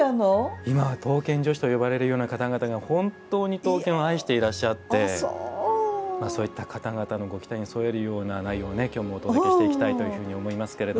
今は刀剣女子という方々が本当に刀剣を愛してらっしゃってそういった方々のご期待に沿えるような内容お届けしたいと思いますが。